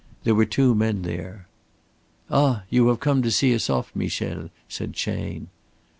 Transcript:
There were two men there. "Ah! you have come to see us off, Michel," said Chayne.